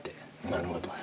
なるほど。